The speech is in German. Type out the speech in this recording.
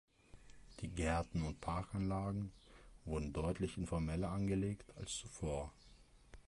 Die Gärten und Parkanlagen wurden deutlich informeller angelegt als zuvor.